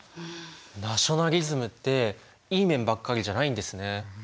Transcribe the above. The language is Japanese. ナショナリズムっていい面ばっかりじゃないんですね。